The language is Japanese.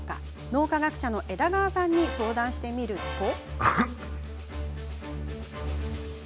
脳科学者の枝川さんに相談してみると。